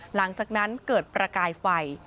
หลังจากนั้นเกิดประกายไฟ